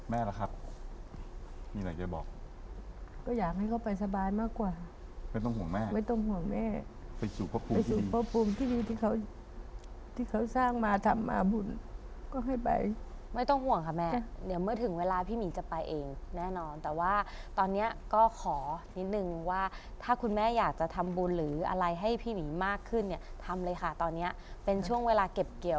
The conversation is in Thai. ล่ะครับมีอะไรจะบอกก็อยากให้เขาไปสบายมากกว่าไม่ต้องห่วงแม่ไม่ต้องห่วงแม่ไปสู่พระภูมิไปสู่พระภูมิที่ดีที่เขาที่เขาสร้างมาทำมาบุญก็ให้ไปไม่ต้องห่วงค่ะแม่เดี๋ยวเมื่อถึงเวลาพี่หมีจะไปเองแน่นอนแต่ว่าตอนเนี้ยก็ขอนิดนึงว่าถ้าคุณแม่อยากจะทำบุญหรืออะไรให้พี่หมีมากขึ้นเนี่ยทำเลยค่ะตอนเนี้ยเป็นช่วงเวลาเก็บเกี่ยว